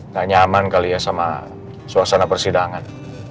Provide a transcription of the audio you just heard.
gak nyaman kali ya sama suasana persidangan